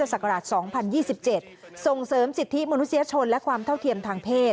ส่งเสริมสิทธิมนุษยชนและความเท่าเทียมทางเพศ